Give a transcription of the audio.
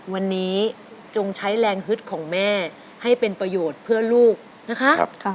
วันนี้จงใช้แรงฮึดของแม่ให้เป็นประโยชน์เพื่อลูกนะคะ